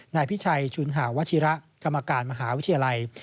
นายพิชัยชุนหาวัชิระกรรมการมหาวิทยาลัย